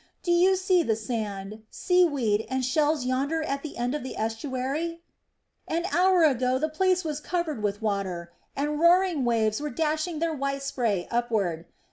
Do you see the sand, sea weed, and shells yonder at the end of the estuary? An hour ago the place was covered with water, and roaring waves were dashing their white spray upward.